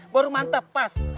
baru mantap pas